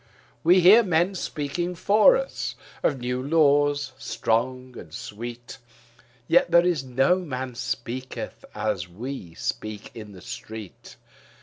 We hear men speaking for us of new laws strong and sweet, Yet is there no man speaketh as we speak in the street.